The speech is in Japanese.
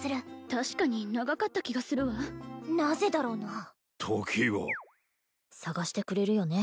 確かに長かった気がするわなぜだろうな探してくれるよね？